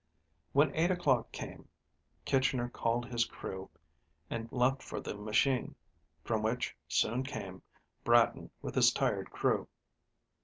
When 8 o'clock came, Kitchner called his crew and left for the machine, from which soon came Bratton with his tired crew.